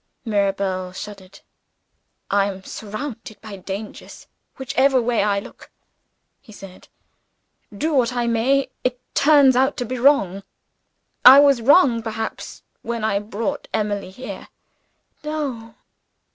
Mirabel shuddered. "I am surrounded by dangers, whichever way I look," he said. "Do what I may, it turns out to be wrong. I was wrong, perhaps, when I brought Emily here." "No!"